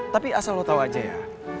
tapi asal lo tau aja ya